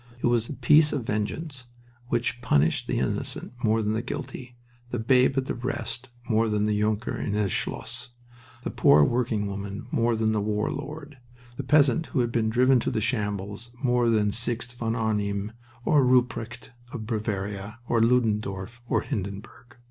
It was a peace of vengeance which punished the innocent more than the guilty, the babe at the breast more than the Junker in his Schloss, the poor working woman more than the war lord, the peasant who had been driven to the shambles more than Sixt von Arnim or Rupprecht of Bavaria, or Ludendorff, or Hindenburg.